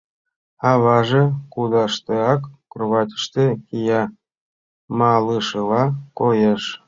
Аваже, кудашдеак, кроватьыште кия, малышыла коеш.